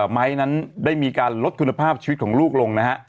ไม้นั้นได้มีการลดคุณภาพชีวิตของลูกลงนะฮะ